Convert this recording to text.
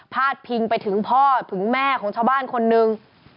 ดพิงไปถึงพ่อถึงแม่ของชาวบ้านคนหนึ่ง